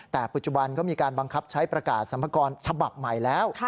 แต่ปัจจุบันก็มีการบังคับใช้ประกาศสรรพากรฉบับใหม่แล้ว